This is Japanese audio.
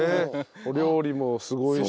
お料理もすごいし。